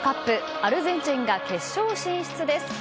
アルゼンチンが決勝進出です。